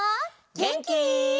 げんき？